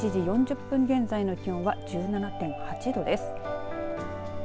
１時４０分現在の気温は１７．８度です。